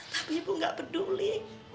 tapi ibu gak peduli